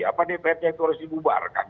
apa depresnya itu harus dibubarkan